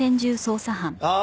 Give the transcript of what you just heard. ああ